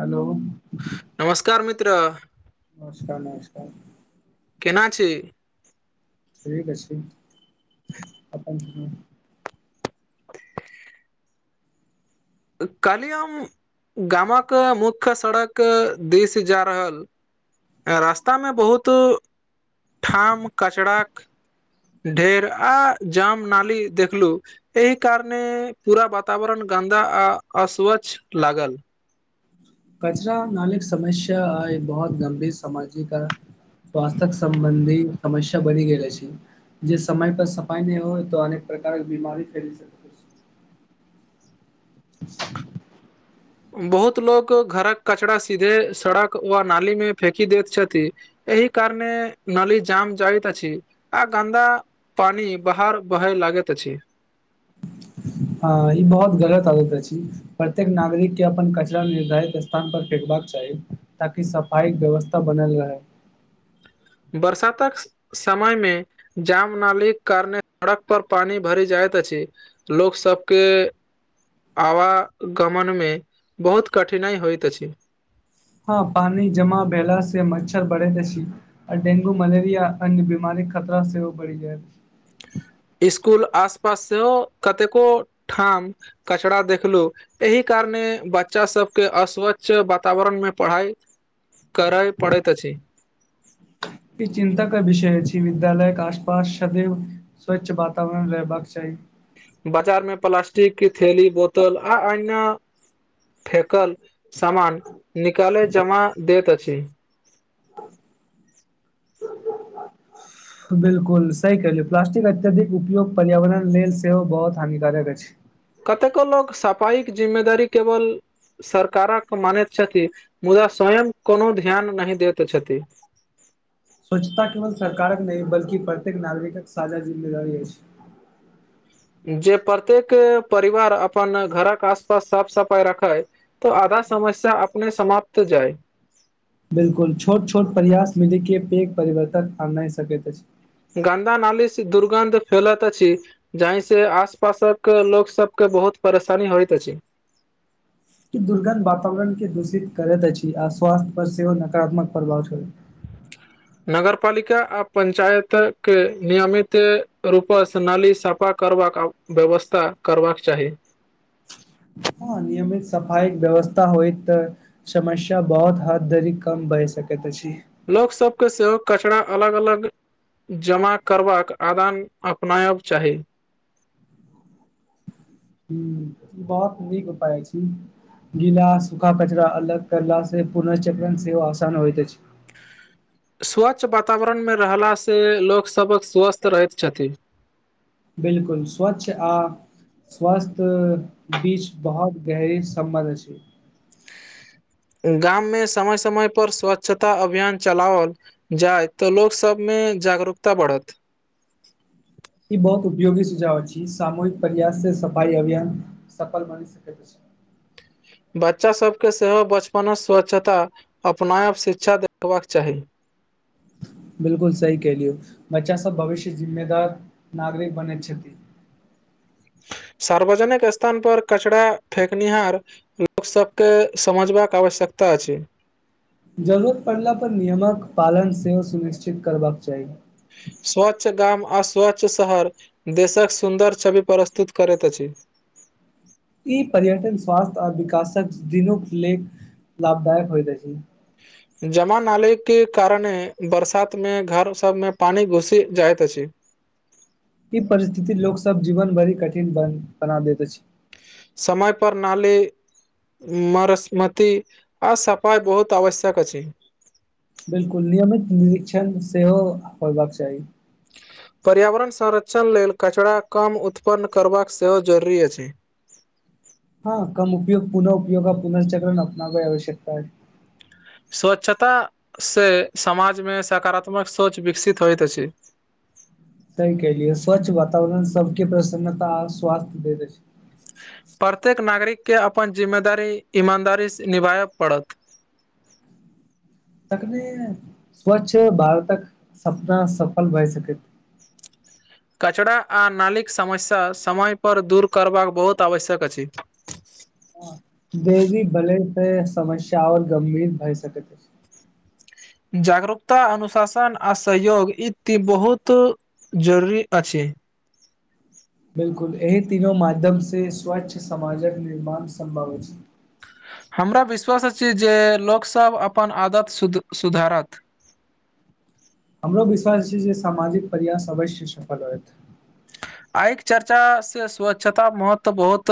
Hello नमस्कार मित्र नमस्कार नमस्कार केना छी नीक अछि अपन सुनाउ कालिह हम गामक मुख्य सड़क दिस जा रहल रास्तामे बहुत ठाम कचड़ाक ढेर आ जाम नाली देखलु एहि कारणे पूरा वातावरण गन्दा आ अस्वच्छ लागल कचरा नालिक समस्या आइ बहुत गंभीर सामाजिक समस्या अछि। स्वास्थ्यसम्बन्धी समस्या बनि गेल अछि। जे समय पर सफाइ नहि होइ, तऽ अनेक प्रकारक बीमारी फैलि सकैत अछि। [inaudible] बहुत लोक घरक कचरा सीधे सड़क वा नालीमे फेकि दैत छथि। एहि कारणे नाली जाम भऽ जाइत अछि आ गन्दा भऽ जाइत अछि। पानि बाहर बहय लगैत अछि। हँ, ई बहुत गलत आदत अछि। प्रत्येक नागरिकके अपन कचरा निर्धारित स्थानपर फेकबाक चाही, ताकि सभ पाइक व्यवस्था बनल रहै बरसात कऽ समय में जाम नालीके कारण सड़क पर पानि भरि जाइत अछि। लोक सभके आवागमनमे बहुत कठिनाइ होइत अछि। हँ पानि जमा भेला से मच्छर बढ़े तऽ अछि। आ डेंगू, मलेरिया अन्य बीमारी खतरा सेहो बढ़ी गेल छै। स्कुल आस पास सेहो कतेको ठाम कचरा देखलु एहि कारणे बच्चा सभके अस्वच्छ वातावरण मे पढ़ाई करय पड़ैत अछि ई चिन्ताक विषय अछि, विद्यालयक आसपास सदैव स्वच्छ वातावरण रहबाक चाही। बाजार में प्लास्टिक की थैली, बोतल आ एना। फेकल सामान निकालि कऽ जमा दैत अछि। ज [unintelligible] बिल्कुल सही कहलहुँ, प्लास्टिकक अत्यधिक उपयोग पर्यावरण लेल सेहो बहुत हानिकारक अछि। कतेको लोक सफाइक जिम्मेदारी केवल सरकारक मानैत छथि, मुदा स्वयं कोनो ध्यान नहि दैत छथि। स्वच्छता केवल सरकारक नहि, बल्कि प्रत्येक नागरिकक साझा जिम्मेदारी अछि। प्रत्येक परिवार अपन घरक आसपास साफ सफाइ रखै। तऽ आधा समस्या अपने समाप्त जाइ। बिल्कुल, छोट छोट प्रयास मिलि कऽ पैघ परिवर्तन आनि सकैत अछि। गन्दा नालीसँ दुर्गन्ध फैलैत अछि। जाहिसँ आस पासक लोकसभके बहुत परेशानी होइत अछि। ई दुर्गन्ध वातावरणके दूषित करैत अछि आ स्वास्थ्य पर सेहो नकारात्मक प्रभाव पड़ैत अछि। [inaudible] नगरपालिका आ पंचायतके नियमित रूपसँ नाली साफा करबाक व्यवस्था करबाक चाही। हँ, नियमित सफाइ व्यवस्था होइत तऽ। समस्या बहुत हद धरि कम भऽ सकैत अछि। लोक सभके सेहो कचरा अलग अलग जमा करबाक आदत अपनायब चाही। हँ, ई बहुत नीक उपाय अछि। गीला आ सूखा कचड़ा अलग करलासँ पुनर्चक्रण सेहो आसान होइत अछि। स्वच्छ वातावरणमे रहलासँ लोक सभ स्वस्थ रहैत छथि। बिलकुल स्वच्छ आ स्वास्थ बीच बहुत गहरी सम्बंध छै। गाममे समय समय पर स्वच्छता अभियान चलाओल। जाय तऽ लोक सभमे जागरूकता बढ़त। ई बहुत उपयोगी सुझाव अछि। सामूहिक प्रयाससँ सफाई अभियान सफल बनि सकैत अछि। बच्चासभकेँ सेहो बचपनसँ स्वच्छता अपनाबयक शिक्षा देबाक चाही। बिलकुल सही केलियौ बच्चा सब भविष्य जिम्मेदार नागरिक बनैत छथिन सार्वजनिक स्थान पर कचरा फेेकनिहार लोक सबके समझबाक आवश्यकता अछि जरूरत पड़ला पर नियमक पालन सेहो सुनिश्चित करबाक चाही स्वच्छ गाम आ स्वच्छ शहर देशक सुन्दर छवि प्रस्तुत करैत अछि ई पर्यटन स्वास्थ्य आ विकासक दिनुक लेल लाभदायक होइत अछि [unintelligible] जमा नालीकके कारणे बरसातमे घर सबमे पानि घुसि जाइत अछि ई परिस्थिति लोकोग सब जीवन भरि कठिन बन बना देैत अछि समयपर नाली मरस्मती आओर सफाइ बहुत आवश्यक अछि बिलकुल नियमित निरीक्षण सेहो होयबाक चाही पर्यावरण संरक्षण लेल कचराा कम उत्पन्न करबाक सेहो जरूरी अछि हँ कम उपयोग पुनः उपयोग आ पुनर्चक्रण अपनाबइ आवश्यकताै स्वच्छतास से समाजमे सकारात्मक सोच विकसित होइत अछि सह कलियै स्वच्छ वातावरण सबके प्रसन्नता स्वासथ्य भ प्रत्येक नागरिक के अपन जिम्मेदारी ईमानदारीसँ निभायय पड़त तखने स्वच्छ भारत कऽ सपना सफल भए सकैत कचरा आ नालीक समस्या समयपर दूर करबाक बहुत आवश्यक अछि देरी भेला सँ समस्यओर गंभीर भय सकते जागरूकता अनुशासन आ सहयोग इ बहुत जरूरी छी बिल्कुल एहि तीनो माध्यमसँ स्वच्छ समाजक निर्माण सम्भव अछि हमरा विश्वास अछि जे लोकसभ अपन आदत सुधारत हमरो विश्वास छै जे सामाजिक प्रयास अवश्य सफल होयत आइ चर्चा से स्वच्छता महत्व बहुत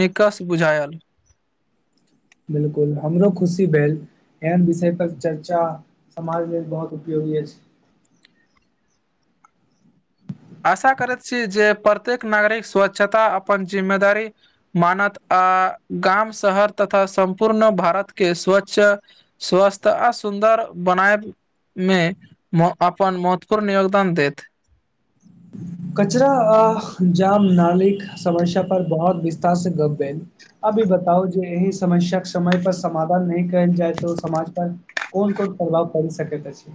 निकस बुझायल बिलकुल हमरो खुशी भेल एहन विषय पर चर्चा समाज मे बहुत उपयोगी अछि आशा करैत छी जे प्रत्येक नागरिक स्वच्छता अपन जिम्मेदारी मानत आ गाम शहर तथा सम्पूर्ण भारत के स्वच्छ स्वस्थ आ सुन्दर बनायत मे अपन महत्वपूर्ण योगदान देैत कचरा आ जाम नालिक समस्या पर बहुत विस्तार से ग अभी बताउ जे एहि समस्या समय पर समाधान नहि कयल जाय त समाज पर कोन कोन प्रभाव पड़ि सकैत अछि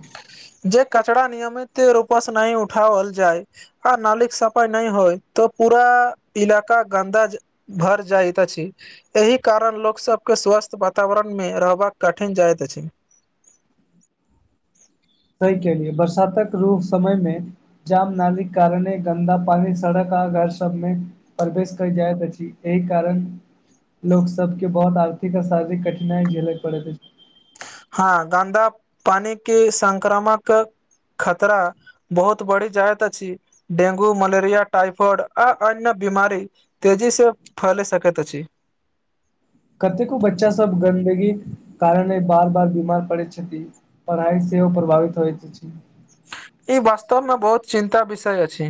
जे कचराा नियमित रूपसँ नहि उठाओल जाइ आ नलीक सफाइ नहि होइ त पूरा इलका गन्दाज भर जाइइत छी एहि कारण लोकसभकेँ स्वस्थ वातावरणमे रहबाक कठिन जाइत अछि तहि के लिए बरसातक रूप समय मे जाम नाली कारणे गन्दा पानी सड़क आ घर सबमे परवेश कै जाय अछि एहि कारण लोकसभ कें बहुत आर्थिक आऔर शारीरिक कठिनाइ झेलय पड़ैत हँ गन्दा पानी क संक्रामक खतरा बहुत बढ़ी जाहत अ छी डेंगू मलरििया इफइड आर अन्य बीमारी तजी से फल सकैत अछि कतेको बच्चा सब गन्दगी कारणे बार बार बीमार पड़ैत छथिन पढ़ाइ सेहोव प्रभावित होइतइत छै ई वास्तवमे बहुत चिन्ता विषय अछि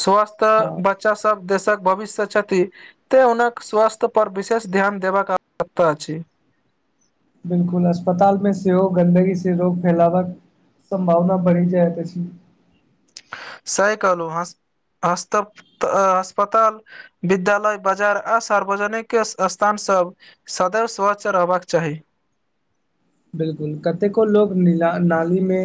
स्वास्थ हँ बच्चा सभ देशक भविष्य छथि एते हुनक स्वास्थ्य पर विशेष ध्यान देबाक आवश्यकता छै बिलकुल अस्पताल मे सेहो गन्दगी से रोग फैलावक संभावना बढि जैत अछि सहि कहलों ह अस्पताल विद्यालय बाजार आ सार्वजनिक स्थान सब सदैव स्वच्छ रहबाक चाही बिल्कुल कतेको लोक नीला नाली मे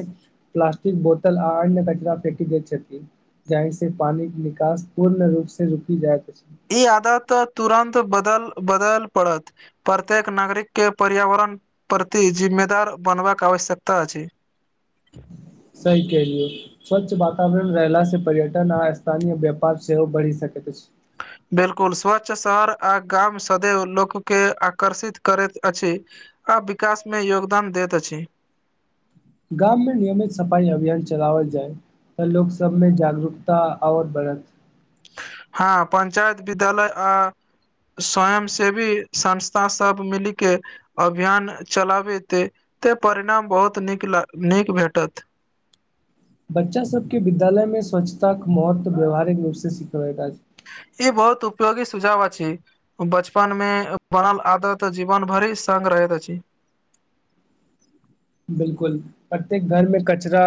प्लास्टिक बोतल आ अन्य कचरा फेकि दैत छथिन जहिसँ पानीे निकास पूर्ण रूप से रुकी जाइत अछि ई आदत तुरन्त बदल बदल पड़त प्रत्येक नागरिकके पर्यावरण के प्रति जिम्मेदार बनबाक आवश्यकता अछि सही कहलियौ स्वच्छ वातावरण रेहला से पर्यटन आ स्थानीय व्यापार सेहो बढ़ि सकैत अछि बिल्कुल स्वच्छ शहर आ गाम सदैव लोक के आकर्षित करैत अछि आ विकास मे योगदान दैत अछि गाम मे नियमित सफाई अभियान चलावल जाय तऽ लोकोग सब में जागरूकता आओर बढ़त हँ पंचायत विद्यालय आ स्वयं सेवी संस्था सब मिली के अभियान चलाबेते ते परिणाम बहुत नीक लाग नीक भेटत बच्चा सब के विद्यालय में स्वच्छताक के महत्व व्यावहारिक रूप से सिखबै ई बहुत उपयोगी सुझाव अछि बचपन मे बनल आदत जीवन भरि संग साथ रहैत अछि बिल्कुल प्रत्येक घर मे कचरा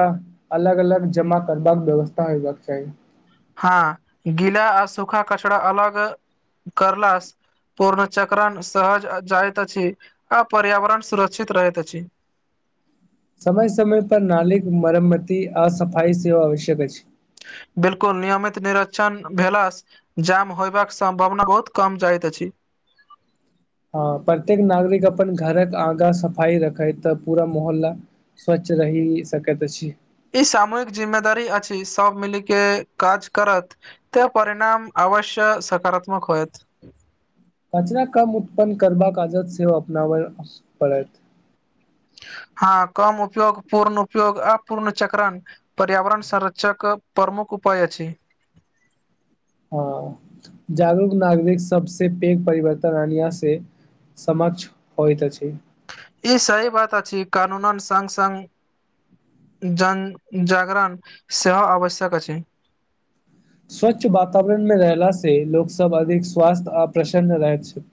अलग अलग जमा करबाक व्यवस्था होबाक चाहि हा गीला आ सुखा कचड़ा अलग करला स पूर्ण चक्रण सहर जाइत अछि आ पर्यावरण सुरक्षित रहैत अछि समय समय पर नलिक मरम्मति आ सफाइ सेवा आवश्यक अछि बिल्कुल नियमित निर्षण भेला स जाम होयबाक सम्भावना बहुत कम जाइत अछि हँ प्रत्येक नागरिक अपन घरक आगा सफाई रखैत तऽ पूरा मोहल्ला स्वच्छ रहि सकैत अछि ई सामूहिक जिम्मेदारी अछि सब मिली के काज करत तऽ परिणाम अवश्य सकारात्मक होएत कचरा कम उत्पन्न करबाक आदत से ओ अपनाबय पड़त हँ कम उपयोग पूर्ण उपयोग आ पूर्णचक्रण पर्यावरण संरचक प्रमुख उपाय अछि ह जागरूक नागरिक सबसे पैघ परिवर्तन अनिया से समक्ष होइत अछि ई सही बात अछि कानून सङ्ग सङ्ग जन जागरण सेहो आवश्यक अछि स्वच्छ वातावरण मे रहला से लोक सब अधिक स्वास्थ्य आ प्रसन्न रहैत छै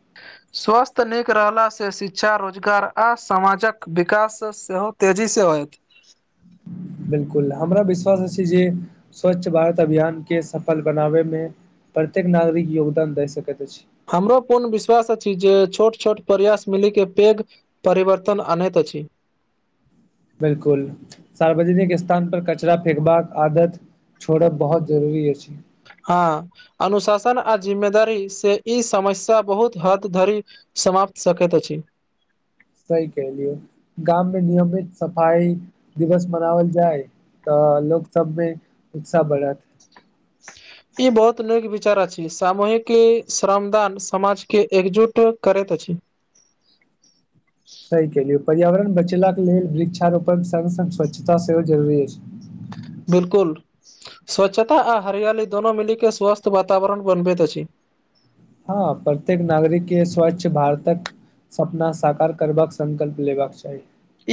स्वास्थ्य नीक रहलासँ शिक्षा रोजगार आ समाजक विकास सेहो तेजी से होयत बिल्कुल हमरा विश्वास अछि जे स्वच्छ भारत अभियान के सफल बनाबे मे प्रत्येक नागरिक योगदान दए सकैत अछि हमरो पूर्ण विश्वास अछि जे छोट छोट प्रयास मिली के पैघ परिवर्तन अनैत अछि बिल्कुल, सार्वजनिक स्थानपर कचरा फेकबाक आदत छोड़ब बहुत जरूरी अछि। हँ, अनुशासन आ जिम्मेदारीसँ ई समस्या बहुत हद धरि समाप्त सकैत अछि। सही कहलहुँ, गाममे नियमित रूपसँ सफाई दिवस मनाओल जाय। तऽ लोकसभमे उत्साह बढ़त। [inaudible] ई बहुत नीक विचार अछि। सामूहिक श्रमदान समाजकेँ एकजुट करैत अछि। सही कहलहुँ, पर्यावरण बचाबय लेल वृक्षारोपणसँ संगहि स्वच्छता सेहो जरूरी अछि। बिलकुल। स्वच्छता आ हरियाली दुनू मिलिकऽ स्वस्थ वातावरण बनबैत अछि। हँ, प्रत्येक नागरिककेँ स्वच्छ भारतक सपना साकार करबाक संकल्प लेबाक चाही।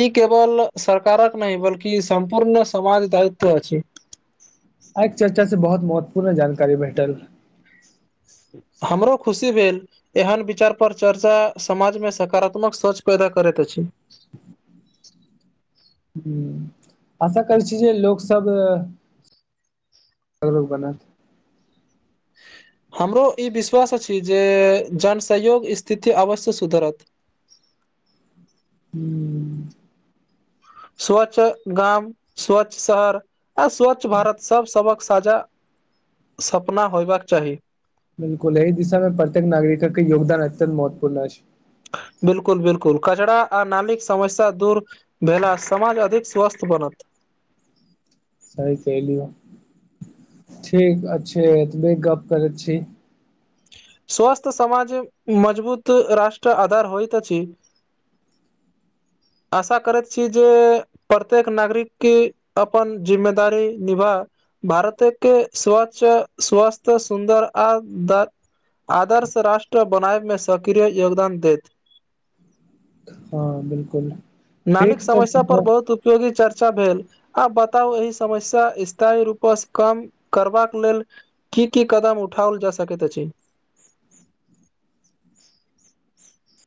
ई केवल सरकारक नहि, बल्कि सम्पूर्ण समाजक दायित्व अछि। आइ चर्चा सँ बहुत महत्वपूर्ण जानकारी भेटल। हमरो खुशी भेल। एहन विचारपर चर्चा समाजमे सकारात्मक सोच पैदा करैत अछि। हँ, आशा करैत छी जे लोकसभ क ब [unintelligible] हमरो ई विश्वास अछि जे जनसहयोगसँ स्थिति अवश्य सुधरत। हू स्वच्छ गाम, स्वच्छ शहर। आ स्वच्छ भारत सभक साझा सपना होयबाक चाही। बिल्कुल, एहि दिशामे प्रत्येक नागरिकक योगदान अत्यन्त महत्वपूर्ण अछि। बिल्कुल बिल्कुल, कचरा आ नालाक समस्या दूर भेलासँ समाज अधिक स्वस्थ बनत। सही कहलियै, ठीक अछि, तखन गप करैत छी। स्वस्थ समाज मजबूत राष्ट्रक आधार होइत अछि। [inaudible] आशा करैत छी जे। प्रत्येक नागरिककेँ अपन जिम्मेदारी निभा भारत स्वच्छ, स्वस्थ, सुन्दर आ आदर्श राष्ट्र बनाबयमे सक्रिय योगदान दैत अछि। हँ बिलकुल नालाक ठीक समस्यापर तऽ बहुत उपयोगी चर्चा भेल। आ बताउ, एहि समस्याकेँ स्थायी रूपसँ कम करबाक लेल की की कदम उठाओल जा सकैत अछि?